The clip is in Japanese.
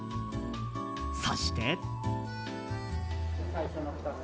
そして。